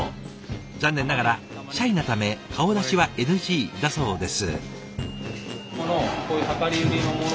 残念ながら「シャイなため顔出しはＮＧ」だそうです。